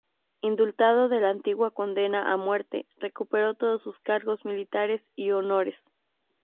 Indultado de la antigua condena a muerte, recuperó todos sus cargos militares y honores.